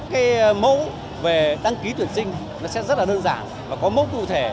cái mẫu về đăng ký tuyển sinh nó sẽ rất là đơn giản và có mẫu cụ thể